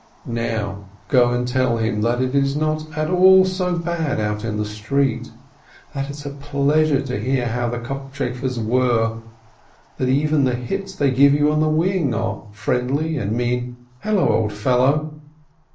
Now go and tell him that it is not at all so bad out in the street, that it's a pleasure to hear how the cock chafers whirr, that even the hits they give you on the wing are friendly, and mean, "Hallo, old fellow!"